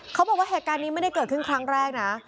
เขาบอกว่าเหตุการณ์นี้ไม่ได้เกิดขึ้นครั้งแรกนะ